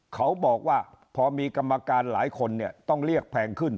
เขาบอกว่าพอมีกรรมการหลายคนเนี่ยต้องเรียกแพงขึ้น